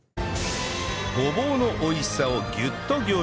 ごぼうの美味しさをギュッと凝縮！